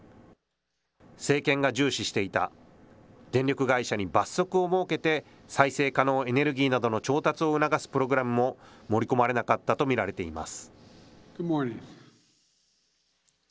政権が重視していた、電力会社に罰則を設けて再生可能エネルギーなどの調達を促すプログラムも、盛り込まれなかったと見られています。